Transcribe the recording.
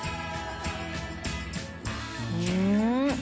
うん！